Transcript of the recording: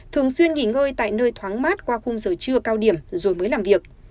thường xuyên nghỉ ngơi tại nơi thoáng mát qua khung giờ trưa cao điểm rồi mới làm việc